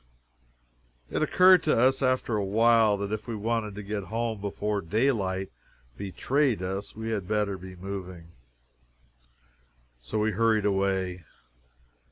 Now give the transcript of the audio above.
It occurred to us, after a while, that if we wanted to get home before daylight betrayed us, we had better be moving. So we hurried away.